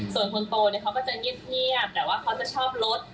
ส่วนคนโตเนี่ยเขาก็จะเงียบแต่ว่าเขาจะชอบรถ